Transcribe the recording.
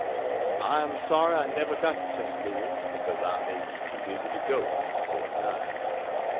I am sorry I never got to St. Louis, because I may be too busy to go, for a long time.